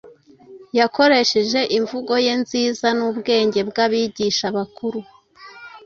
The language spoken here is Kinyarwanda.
Yakoresheje imvugo ye nziza n’ubwenge bw’abigisha bakuru